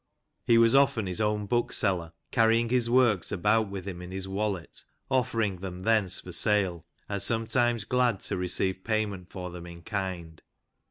He was often his own book seller, carrying his works about with him in his wallet, offer ing them thence for sale, and sometimes glad to receive pay ment for them in kind.